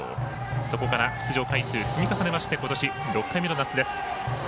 そこから出場回数を積み重ねてことし６回目の夏です。